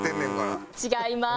違います。